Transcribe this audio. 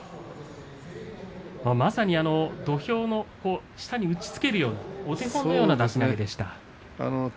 まさに土俵の下に打ちつけるようなお手本のような出し投げでした。